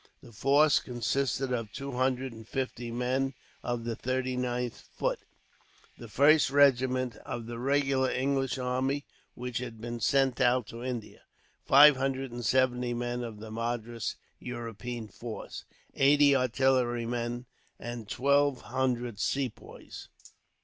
The force consisted of two hundred and fifty men of the 39th Foot, the first regiment of the regular English army which had been sent out to India; five hundred and seventy men of the Madras European force; eighty artillerymen; and twelve hundred Sepoys.